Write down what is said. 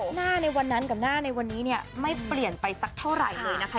หน้าในวันนั้นกับหน้าในวันนี้เนี่ยไม่เปลี่ยนไปสักเท่าไหร่เลยนะคะ